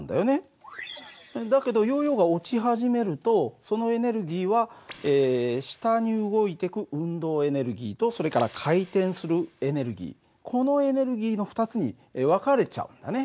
だけどヨーヨーが落ち始めるとそのエネルギーは下に動いてく運動エネルギーとそれから回転するエネルギーこのエネルギーの２つに分かれちゃうんだね。